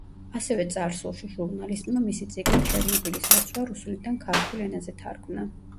ასევე წარსულში ჟურნალისტმა მისი წიგნი „ჩერნობილის ლოცვა“ რუსულიდან ქართულ ენაზე თარგმნა.